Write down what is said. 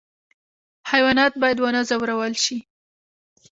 حیوانات باید ونه ځورول شي